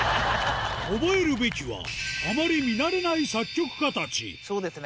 覚えるべきは、あまり見慣れないそうですね。